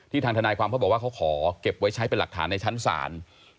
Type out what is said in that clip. ทางทนายความเขาบอกว่าเขาขอเก็บไว้ใช้เป็นหลักฐานในชั้นศาล